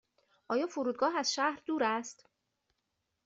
آیا فرودگاه از شهر دور است؟